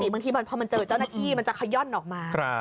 บางทีพอมันเจอเจ้าหน้าที่มันจะขย่อนออกมา